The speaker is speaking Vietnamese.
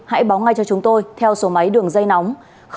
hãy báo ngay cho chúng tôi theo số máy đường dây nóng